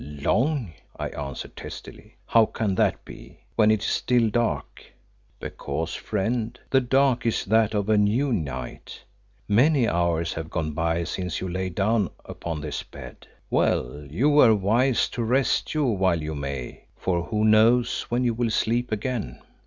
"Long?" I answered testily. "How can that be, when it is still dark?" "Because, friend, the dark is that of a new night. Many hours have gone by since you lay down upon this bed. Well, you were wise to rest you while you may, for who knows when you will sleep again!